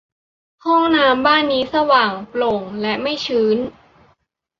ห้องน้ำบ้านนี้สว่าง โปร่ง และไม่ชื้น